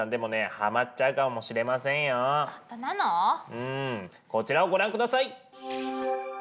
うんこちらをご覧ください！